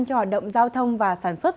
cho động giao thông và sản xuất